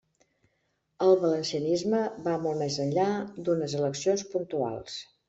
El valencianisme va molt més enllà d'unes eleccions puntuals.